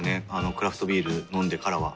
クラフトビール飲んでからは。